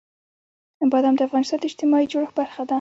بادام د افغانستان د اجتماعي جوړښت برخه ده.